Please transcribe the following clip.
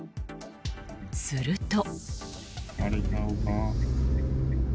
すると。